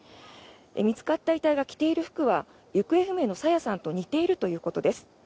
見つかった遺体が着ている服は行方不明の朝芽さんと似ているということです。